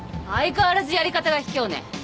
相変わらずやり方がひきょうね。